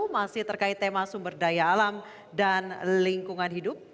masih terkait tema sumber daya alam dan lingkungan hidup